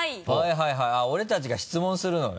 はいはい俺たちが質問するのね。